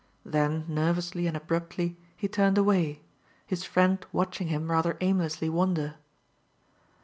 Then nervously and abruptly he turned away, his friend watching him rather aimlessly wander.